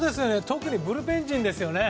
特にブルペン陣ですよね。